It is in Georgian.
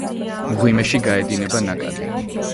მღვიმეში გაედინება ნაკადი.